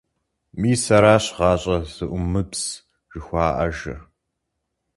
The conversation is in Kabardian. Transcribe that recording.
- Мис аращ гъащӀэ зэӀумыбз жыхуаӀэжыр.